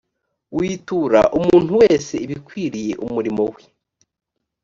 witura umuntu wese ibikwiriye umurimo we